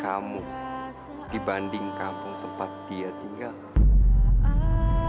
kamu dibanding kampung tempat dia tinggal